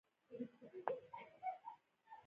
هایکو باید په لږ ځای کښي پراخ مفهوم ورکي.